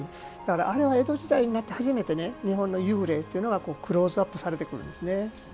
あれは、江戸時代になって初めて日本の幽霊っていうのがクローズアップされてくるんです。